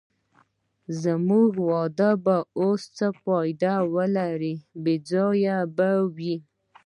زموږ واده به اوس څه فایده ولرې، بې ځایه به وي.